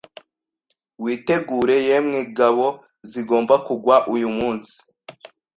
Witegure yemwe ngabo zigomba kugwa uyu munsi